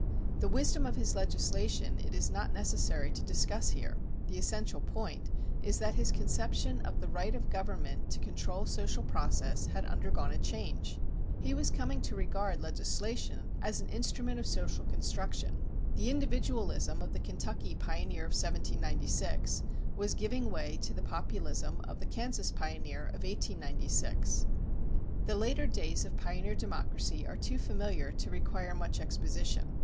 The wisdom of his legislation it is not necessary to discuss here. The essential point is that his conception of the right of government to control social process had undergone a change. He was coming to regard legislation as an instrument of social construction. The individualism of the Kentucky pioneer of 1796 was giving way to the Populism of the Kansas pioneer of 1896. The later days of pioneer democracy are too familiar to require much exposition.